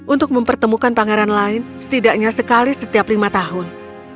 untuk mempertemukan pangeran lain setidaknya sekali setiap lima tahun